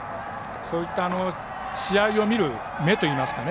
そういった試合を見る目といいますかね